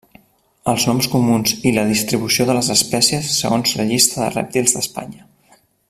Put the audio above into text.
Els noms comuns i la distribució de les espècies segons Llista de rèptils d'Espanya.